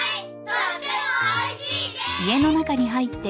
とってもおいしいです！